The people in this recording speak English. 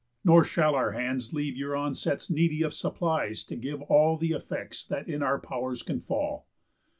Nor shall our hands leave Your onsets needy of supplies to give All the effects that in our pow'rs can fall."